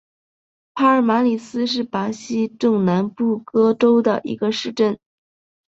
帕尔马里斯是巴西伯南布哥州的一个市镇。